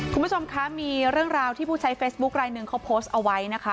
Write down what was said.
คุณผู้ชมคะมีเรื่องราวที่ผู้ใช้เฟซบุ๊คลายหนึ่งเขาโพสต์เอาไว้นะคะ